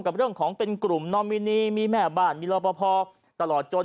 กับเรื่องของเป็นกลุ่มนอมินีมีแม่บ้านมีรอปภตลอดจน